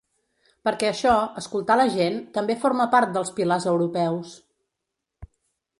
Perquè això, escoltar la gent, també forma part dels pilars europeus.